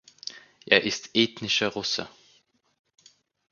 Er ist ethnischer Russe.